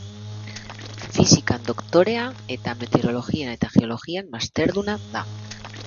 Fisikan doktorea eta Meteorologian eta Geologian masterduna da.